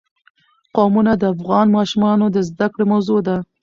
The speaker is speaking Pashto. قومونه د افغان ماشومانو د زده کړې موضوع ده.